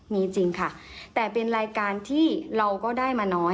มีจริงค่ะแต่เป็นรายการที่เราก็ได้มาน้อย